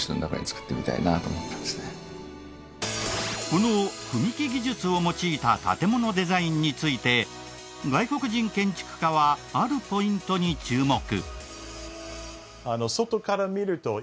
この組木技術を用いた建ものデザインについて外国人建築家はあるポイントに注目。